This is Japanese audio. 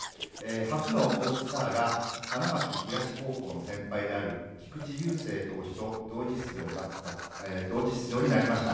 初のオールスターが花巻東高校の先輩である菊池雄星投手と同時出場になりました。